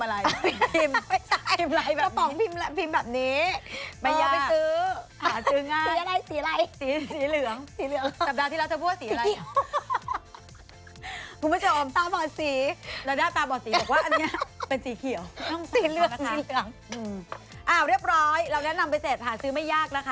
แล้วเรียบร้อยหาซื้อไม่ยาก